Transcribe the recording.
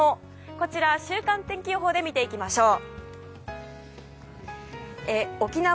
こちら、週間天気予報で見ていきましょう。